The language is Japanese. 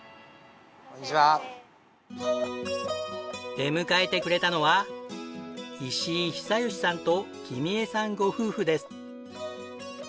出迎えてくれたのは石井久喜さんと君恵さんご夫婦です。